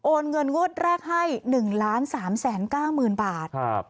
โอนเงินงวดแรกให้หนึ่งล้านสามแสนเก้ามือนบาทครับ